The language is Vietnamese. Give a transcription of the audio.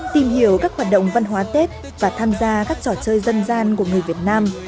tìm hiểu các hoạt động văn hóa tết và tham gia các trò chơi dân gian của người việt nam